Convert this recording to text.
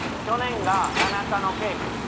去年が田中の圭君。